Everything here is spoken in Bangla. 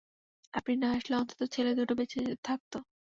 আপনি না আসলে অন্তত ছেলে দুটো বেঁচে থাকতো।